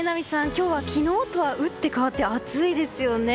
今日は昨日とは打って変わって暑いですよね。